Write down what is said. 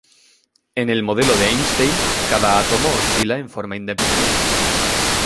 En el modelo de Einstein, cada átomo oscila en forma independiente.